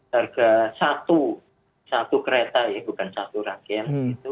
harga satu satu kereta ya bukan satu rangkaian